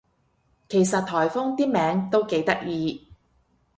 其實颱風啲名都幾得意